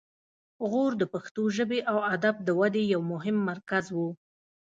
غور د پښتو ژبې او ادب د ودې یو مهم مرکز و